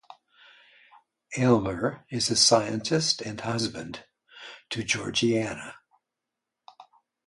Aylmer is a scientist and husband to Georgiana.